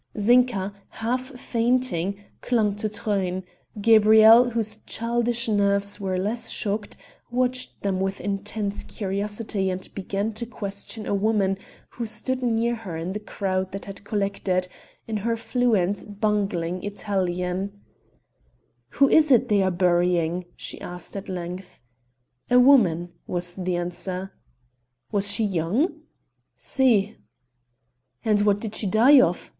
Zinka, half fainting, clung to Truyn; Gabrielle, whose childish nerves were less shocked, watched them with intense curiosity and began to question a woman who stood near her in the crowd that had collected, in her fluent, bungling Italian: "Who is it they are burying?" she asked at length. "A woman," was the answer. "Was she young?" "Si." "And what did she die of?